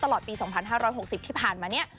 ตลอดปี๒๕๖๐ที่ผ่านมาเนี่ย